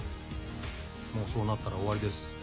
もうそうなったら終わりです。